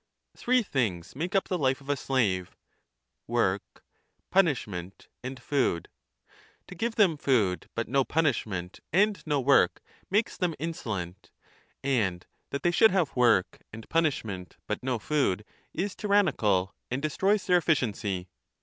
Three things make up the life of a slave, work, punishment, and food. To give them food but no punishment and no work makes them I344 b insolent ; and that they should have work and punishment but no food is tyrannical and destroys their efficiency.